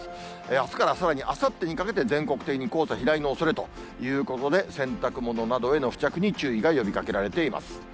あすからさらにあさってにかけて、全国的に黄砂飛来のおそれということで、洗濯物などへの付着に注意が呼びかけられています。